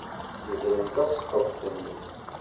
Nebren tasfeḍt-nni.